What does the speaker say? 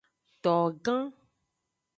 Togan.